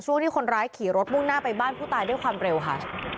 ที่คนร้ายขี่รถมุ่งหน้าไปบ้านผู้ตายด้วยความเร็วค่ะ